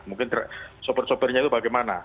mungkin soper sopernya itu bagaimana